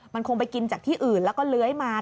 มันคงไปกินจากที่อื่นแล้วก็เลื้อยมา